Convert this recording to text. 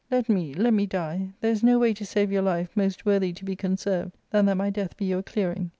Let me, let me die. There is no way to save your life, most worthy to be conserved, than that my death be your clearing."